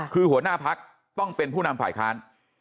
คือหัวหน้าพักต้องเป็นผู้นำฝ่ายค้าน